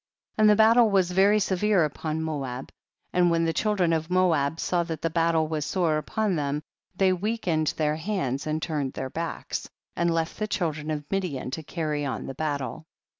10. And the battle waa very se vere upon Moab, and when the chil dren of Moab saw that tiie battle was sore upon them, they weakened their hands and turned their backs, and left the children of Midian to carry on the battle.